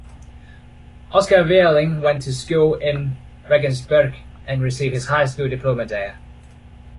Oskar Vierling went to school in Regensburg and received his high school diploma there.